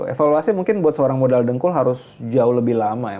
evaluasi mungkin buat seorang modal dengkul harus jauh lebih lama ya